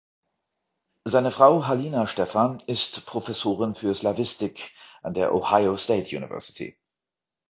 Seine Frau Halina Stephan ist Professorin für Slawistik an der Ohio State University.